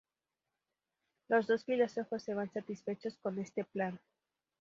Los dos filósofos se van satisfechos con este plan.